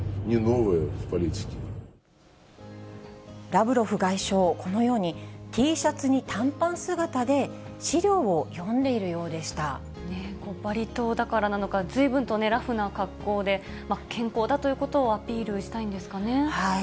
ラブロフ外相、このように、Ｔシャツに短パン姿で、バリ島だからなのか、ずいぶんとラフな格好で、健康だということをアピールしたいんですかね。